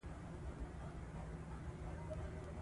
سیاسي عدالت د باور فضا جوړوي